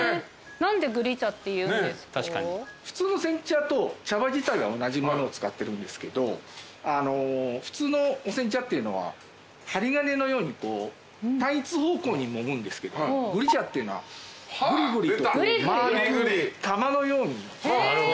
普通の煎茶と茶葉自体は同じ物を使ってるんですけど普通のお煎茶っていうのは針金のようにこう単一方向にもむんですけどもぐり茶っていうのはぐりぐりとまるくたまのように。